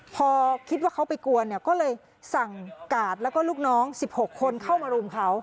พอคิดว่าเขาไปกวนเนี่ยก็เลยสั่งกาดแล้วก็ลูกน้อง๑๖คนเข้ามารุมเขา